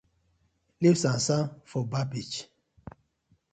Leave sand sand for bar beach.